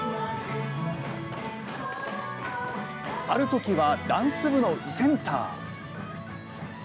あるときはダンス部のセンター。